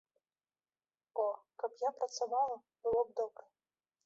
О, каб я працавала, было б добра.